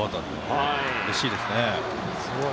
うれしいですね。